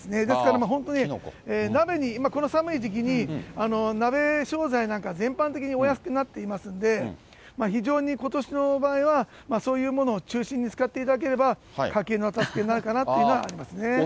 ですから、本当に鍋に、今、この寒い時期に鍋商材なんか、全般的にお安くなっていますんで、非常にことしの場合はそういうものを中心に使っていただければ、家計の助けになるかなっていうのはありますね。